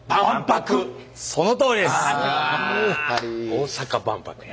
大阪万博や。